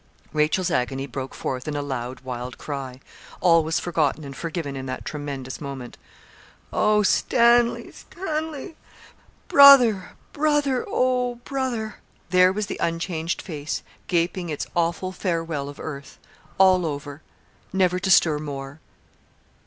Rachel's agony broke forth in a loud, wild cry. All was forgotten and forgiven in that tremendous moment. 'Oh! Stanley, Stanley! brother, brother, oh, brother!' There was the unchanged face, gaping its awful farewell of earth. All over! never to stir more.